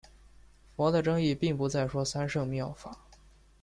佛的真意并不再说三乘妙法。